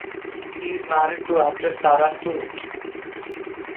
He is married to actress Sara Stewart.